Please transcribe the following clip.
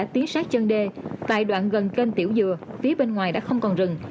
tiến sát chân đê tại đoạn gần kênh tiểu dừa phía bên ngoài đã không còn rừng